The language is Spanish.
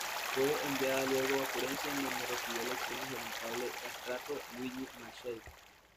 Fue enviada luego a Florencia, en donde recibió lecciones del notable castrato Luigi Marchesi.